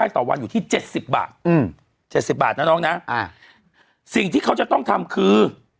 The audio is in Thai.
ที่เจ็ดสิบบาทอืมเจ็ดสิบบาทนะน้องน่ะอ่าสิ่งที่เขาจะต้องทำคือ